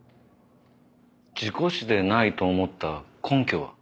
事故死でないと思った根拠は？